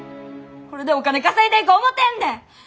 これでお金稼いでいこう思てんねん！